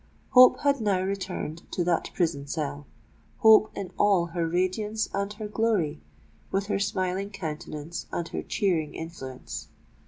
Hope had now returned to that prison cell,—hope in all her radiance and her glory,—with her smiling countenance and her cheering influence!